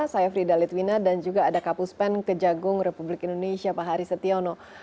saya frida litwina dan juga ada kapus pen kejagung republik indonesia pak hari setiono